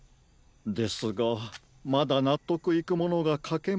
ですがまだなっとくいくものがかけません。